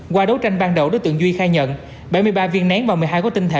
qua đấu tranh ban đầu đối tượng duy khai nhận bảy mươi ba viên nén và một mươi hai gói tinh thể